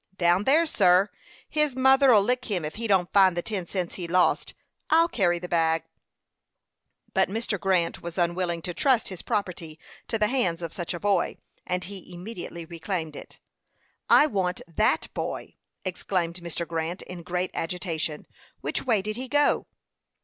"Down there, sir. His mother'll lick him if he don't find the ten cents he lost. I'll carry the bag." But Mr. Grant was unwilling to trust his property to the hands of such a boy, and he immediately reclaimed it. "I want that boy!" exclaimed Mr. Grant, in great agitation. "Which way did he go?"